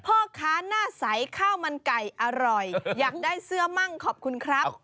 พ่อค้าหน้าใสข้าวมันไก่อร่อยอยากได้เสื้อมั่งขอบคุณครับ